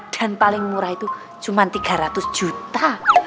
dan paling murah itu cuman tiga ratus juta